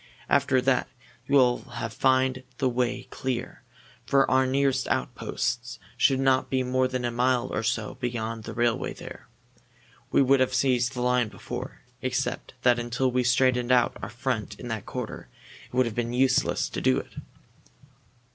After that you will find the way clear, for our nearest outposts should not be more than a mile or so beyond the railway there. We would have seized the line before, except that until we had straightened our front in that quarter it would have been useless to do it."